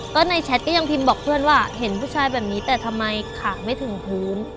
ก็ในแชทก็ยังพิมพ์บอกเพื่อนว่าเห็นผู้ชายแบบนี้แต่ทำไมขาไม่ถึงพื้น